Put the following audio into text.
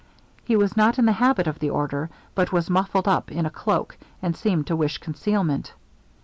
He was not in the habit of the order, but was muffled up in a cloak, and seemed to wish concealment.